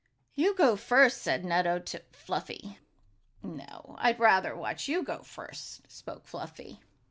"You go first," said Nutto to Fluffy. "No, I'd rather watch you go first," spoke Fluffy.